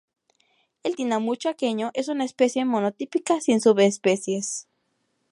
El tinamú chaqueño es una especie monotípica, sin subespecies.